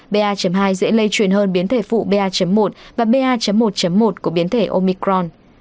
pa hai dễ lây chuyển hơn biến thể phụ pa một và pa một một của biến thể omicron